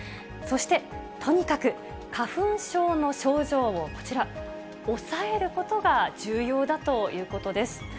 そしてとにかく花粉症の症状をこちら、抑えることが重要だということです。